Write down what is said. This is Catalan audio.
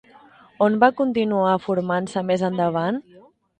On va continuar formant-se més endavant?